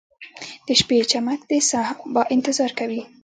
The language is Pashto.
• د شپې چمک د سبا انتظار کوي.